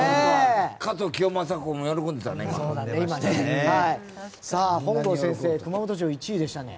加藤清正公も喜んでたね。